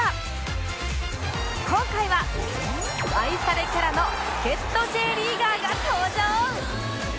今回は愛されキャラの助っ人 Ｊ リーガーが登場！